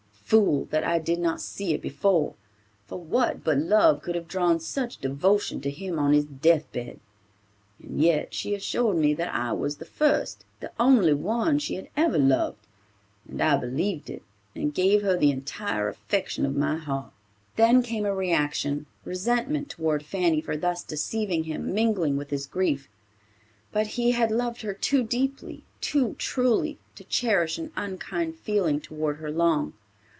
Fool, that I did not see it before, for what but love could have drawn such devotion to him on his deathbed? And yet she assured me that I was the first, the only one, she had ever loved; and I believed it, and gave her the entire affection of my heart." Then came a reaction. Resentment toward Fanny for thus deceiving him mingling with his grief. But he had loved her too deeply, too truly, to cherish an unkind feeling toward her long.